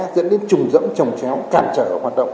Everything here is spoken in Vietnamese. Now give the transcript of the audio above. dẫn đến trùng rẫm trồng chéo càn trở hoạt động